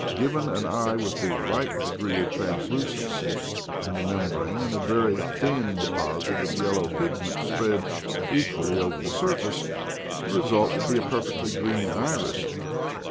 Given an eye with the right de gree of translucency in the membrane and a very thin deposit of yellow pigment spread equally over the surface ; the result would be a perfectly green iris.